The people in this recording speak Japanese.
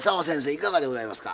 いかがでございますか？